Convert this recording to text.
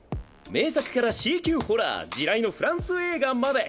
名作からＣ級ホラー地雷のフランス映画まで。